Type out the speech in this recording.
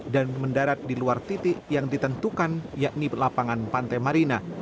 dan mendarat di luar titik yang ditentukan yakni lapangan pantai marina